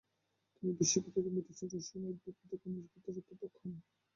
তিনি বিশ্ববিদ্যালয়ের মেডিসিন, রসায়ন, উদ্ভিদবিদ্যা ও খনিজবিদ্যার অধ্যাপক হন।